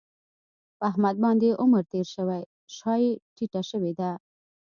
په احمد باندې عمر تېر شوی شا یې ټیټه شوې ده.